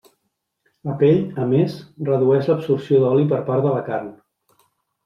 La pell, a més, redueix l’absorció d’oli per part de la carn.